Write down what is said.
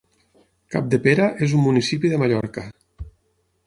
Capdepera és un municipi de Mallorca.